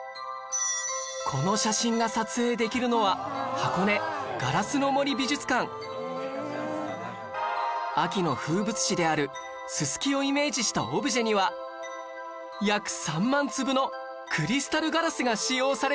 この写真が撮影できるのは秋の風物詩であるススキをイメージしたオブジェには約３万粒のクリスタルガラスが使用されています